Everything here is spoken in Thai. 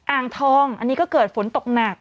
อ่างทองอันนี้ก็เกิดฝนตกหนัก